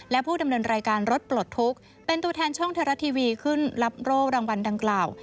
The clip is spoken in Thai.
และผู้ดำเนินรายการรถปลดทุกข์เป็นตัวแทนช่องไทยรัฐทีวีขึ้นรับโรครางวัลดังกล่าว